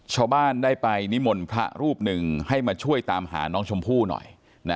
ชาวบ้านได้ไปนิมนต์พระรูปหนึ่งให้มาช่วยตามหาน้องชมพู่หน่อย